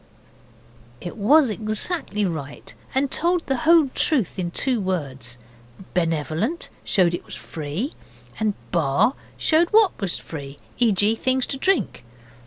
It was exactly right, and told the whole truth in two words. 'Benevolent' showed it was free and 'Bar' showed what was free; e.g. things to drink.